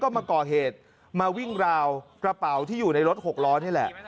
ก็มาก่อเหตุมาวิ่งราวกระเป๋าในรถหกล้อนี่แหละ